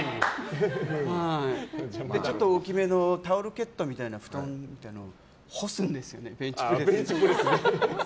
ちょっと大きめのタオルケットみたいな布団みたいなのを干すんですよね、ベンチプレスで。